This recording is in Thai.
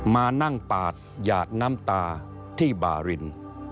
มานั่งปาดหยาดน้ำตาที่บาริน